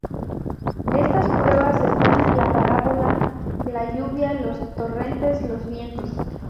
Estas pruebas estas en la parábola: la lluvia, los torrentes, los vientos.